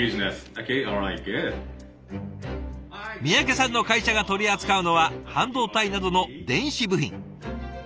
三宅さんの会社が取り扱うのは半導体などの電子部品。